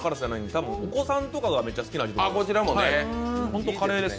多分お子さんとかがめっちゃ好きな味だと思います。